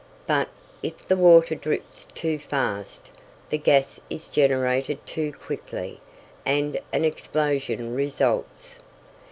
But, if the water drips too fast, the gas is generated too quickly, and an explosion results.